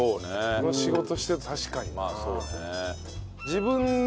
この仕事してると確かにな。